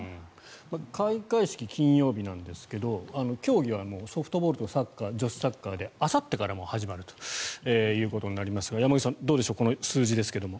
開会式、金曜日なんですが競技はソフトボールと女子サッカーであさってからもう始まるということになりますが山口さん、どうでしょうこの数字ですけども。